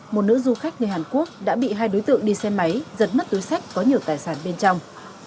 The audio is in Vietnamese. một nữ du khách người hàn quốc đã bị hai đối tượng đi xe máy giật mất túi sách có nhiều tài sản bên trong